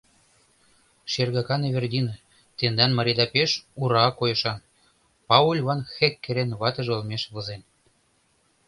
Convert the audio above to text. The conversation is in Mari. “Шергакан Эвердина, тендан марийда пеш ура койышан, — Пауль Ван-Хеккерен ватыж олмеш возен.